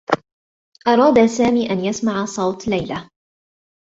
أراد سامي أن يسمع صوت ليلى.